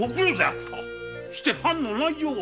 して藩の内情は？